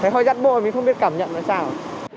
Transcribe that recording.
thấy hơi rắp bội mình không biết cảm nhận là sao